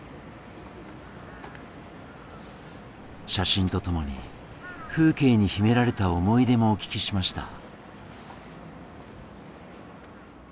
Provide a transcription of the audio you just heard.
写真と共に風景に秘められた思い出もお聞きしました。